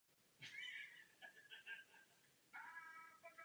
Musíme jim proto nechat čas na přijetí opatření.